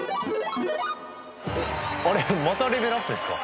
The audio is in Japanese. あれっまたレベルアップですか。